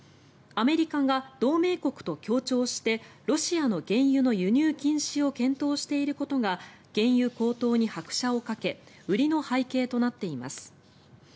アメリカが同盟国と協調してロシアの原油の輸入禁止を検討していることが原油高騰に拍車をかけ売りの背景となっています。